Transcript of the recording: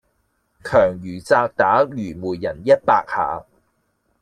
強如責打愚昧人一百下